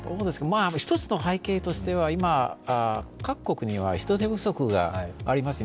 １つの背景としては、今、各国には人手不足があります。